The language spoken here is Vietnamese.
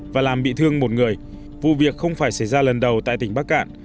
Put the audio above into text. và làm bị thương một người vụ việc không phải xảy ra lần đầu tại tỉnh bắc cạn